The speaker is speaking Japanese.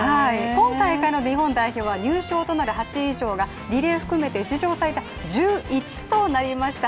今大会の日本代表は、入賞となる８位以上がリレー含めて史上最多１１となりました。